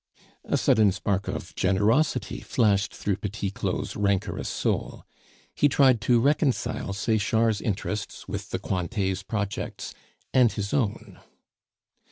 A sudden spark of generosity flashed through Petit Claud's rancorous soul; he tried to reconcile Sechard's interests with the Cointet's projects and his own.